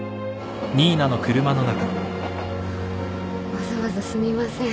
わざわざすみません。